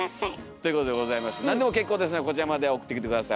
ということでございまして何でも結構ですのでこちらまで送ってきて下さい。